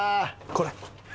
これ！